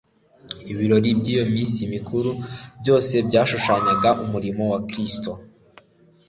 Ibirori by'iyo minsi mikuru byose byashushanyaga umurimo wa Kristo